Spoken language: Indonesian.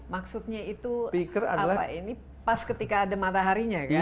maksudnya itu pas ketika ada mataharinya kan